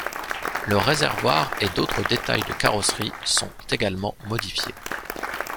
Le réservoir et d'autres détails de carrosserie sont également modifiés.